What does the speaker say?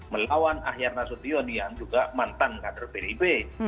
melawan ahyar nasution yang juga mantan kader pdip